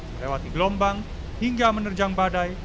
melewati gelombang hingga menerjang badai